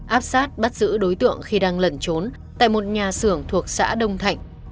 áp sát bắt giữ đối tượng khi đang lẩn trốn tại một nhà xưởng thuộc xã đông thạnh